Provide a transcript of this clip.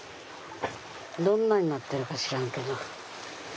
どんなになってるか知らんけど。